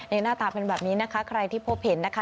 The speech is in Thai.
หน้าตาเป็นแบบนี้นะคะใครที่พบเห็นนะคะ